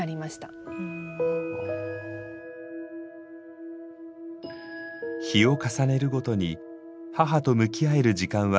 日を重ねるごとに母と向き合える時間は増えていきました。